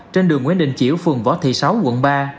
trên đường nguyễn đình chiểu phường võ thị sáu quận ba